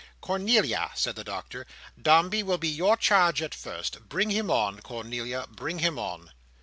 "Cornelia," said the Doctor, "Dombey will be your charge at first. Bring him on, Cornelia, bring him on."